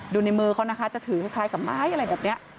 ดูในมือเขานะคะจะถือคล้ายกับไม้อะไรแบบนี้